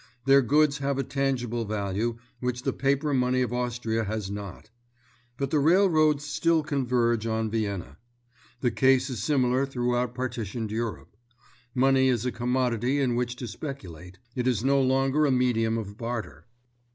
Their goods have a tangible value, which the paper money of Austria has not. But the railroads still converge on Vienna. The case is similar throughout partitioned Europe. Money is a commodity in which to speculate; it is no longer a medium of barter.